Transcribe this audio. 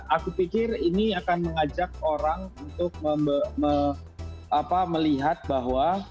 aku pikir ini akan mengajak orang untuk melihat bahwa